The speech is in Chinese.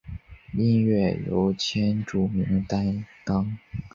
音乐由千住明担当。